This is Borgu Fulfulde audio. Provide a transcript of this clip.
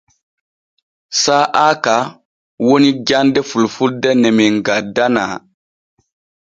Saa'a ka woni jande fulfulde ne men gaddanaa.